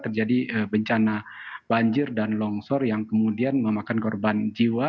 terjadi bencana banjir dan longsor yang kemudian memakan korban jiwa